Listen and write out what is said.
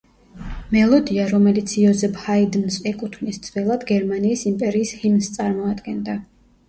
მელოდია, რომელიც იოზეფ ჰაიდნს ეკუთვნის, ძველად გერმანიის იმპერიის ჰიმნს წარმოადგენდა.